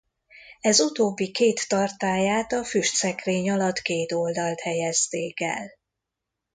Ez utóbbi két tartályát a füstszekrény alatt két oldalt helyezték el.